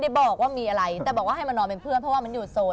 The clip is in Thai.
บอกว่ามีอะไรแต่บอกว่าให้มานอนเป็นเพื่อนเพราะว่ามันอยู่โซน